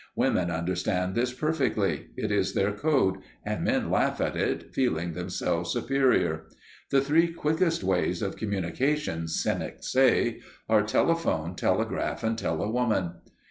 Women understand this perfectly; it is their code, and men laugh at it, feeling themselves superior. The three quickest ways of communication, cynics say, are telephone, telegraph, and tell a woman.